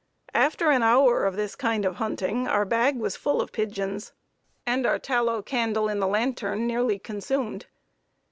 After an hour of this kind of hunting our bag was full of pigeons, and our tallow candle in the lantern nearly consumed.